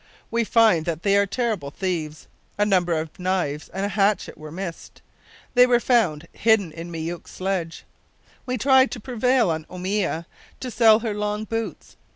We find that they are terrible thieves. A number of knives and a hatchet were missed they were found hidden in Myouk's sledge. We tried to prevail on Oomia to sell her long boots.